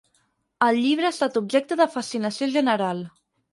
El llibre ha estat objecte de fascinació general.